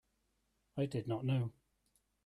I did not know.